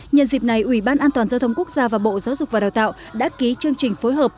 nhân dịp này ủy ban an toàn giao thông quốc gia và bộ giáo dục và đào tạo đã ký chương trình phối hợp